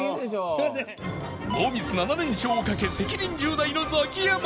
ノーミス７連勝をかけ責任重大のザキヤマ